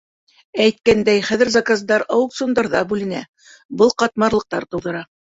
Әйткәндәй, хәҙер заказдар аукциондарҙа бүленә, был ҡатмарлыҡтар тыуҙыра.